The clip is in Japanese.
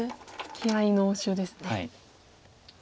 気合いの応酬ですね。